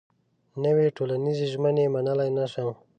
نوې ټولنيزې ژمنې منلای نه شم.